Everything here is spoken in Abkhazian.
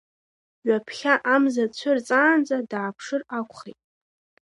Ҩаԥхьа амза цәырҵаанӡа дааԥшыр акәхеит.